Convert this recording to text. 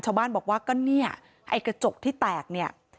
ชาวบ้านบอกว่าก็เนี่ยไอ้กระจกที่แตกเนี่ย